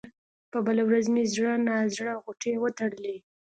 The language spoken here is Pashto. په بله ورځ مې زړه نا زړه غوټې وتړلې.